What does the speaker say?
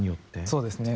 そうですね。